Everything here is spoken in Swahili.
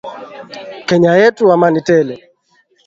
Kenya yetu amani tele.